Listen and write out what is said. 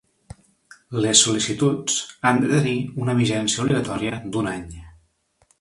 Les sol·licituds han de tenir una vigència obligatòria d'un any.